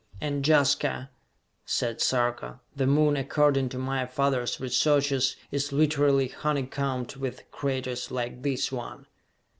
"And Jaska," said Sarka, "the Moon, according to my father's researches, is literally honeycombed with craters like this one!"